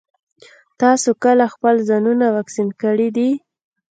تاسو کله خپل ځانونه واکسين کړي دي؟